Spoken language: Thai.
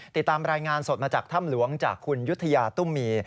ติดตามรายงานสดมาจากถ้ำหลวงจากคุณยุธยาตุ้มมี